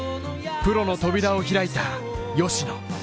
プロの扉を開いた吉野。